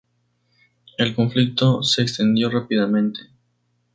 El conflicto se extendió rápidamente.